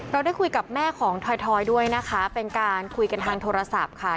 เราได้คุยกับแม่ของถอยด้วยนะคะเป็นการคุยกันทางโทรศัพท์ค่ะ